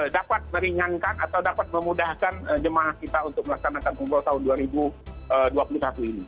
dapat meringankan atau dapat memudahkan jemaah kita untuk melaksanakan umroh tahun dua ribu dua puluh satu ini